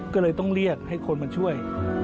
ก็เลยต้องเรียกให้คนมาช่วย